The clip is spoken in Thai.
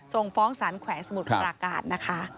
ส่งฟ้องสารแขวงสมุทรปราการนะคะ